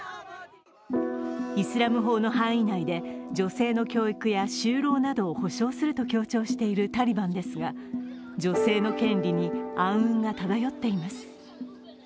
イスラム法の範囲内で女性の教育や就労などを強調すると強調しているタリバンですが女性の権利に暗雲が漂っています。